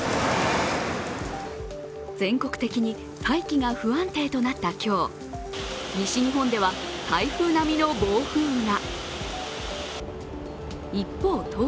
全国的に大気が不安定となった今日、西日本では台風並みの暴風雨が。